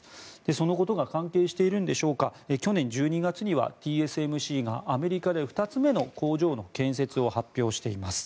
そのことが関係しているんでしょうか去年１２月にはＴＳＭＣがアメリカで２つ目の工場の建設を発表しています。